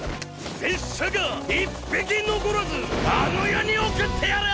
拙者が一匹のこらずあの世に送ってやる！